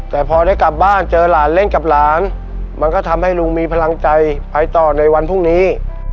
แต่พอได้กลับบ้านเจอหลานเล่นกับหลานมันก็ทำให้ลุงมีพลังใจไปต่อในวันพรุ่งนี้